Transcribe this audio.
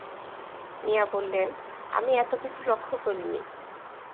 মিয়া বললেন, আমি এত কিছু লক্ষ করি নি।